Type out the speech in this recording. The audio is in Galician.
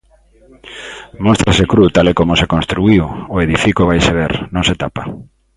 Móstrase cru, tal e como se construíu o edifico vaise ver, non se tapa.